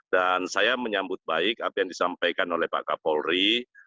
dan saya menyambut baik apa yang disampaikan oleh pak kapolri